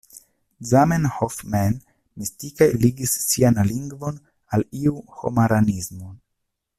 Zamenhof mem, mistike ligis sian lingvon al iu homaranismo.